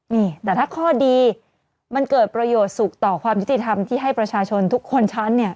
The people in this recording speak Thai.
นี่แต่ถ้าข้อดีมันเกิดประโยชน์สุขต่อความยุติธรรมที่ให้ประชาชนทุกคนฉันเนี่ย